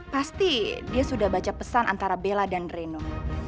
pasti dia sudah baca pesan antara bella dan reno